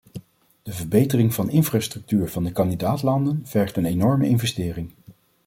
De verbetering van de infrastructuur van de kandidaat-landen vergt een enorme investering.